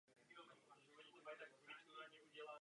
Od další sezóny působí v nejvyšší rakouské soutěži.